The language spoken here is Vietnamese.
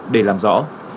để làm rõ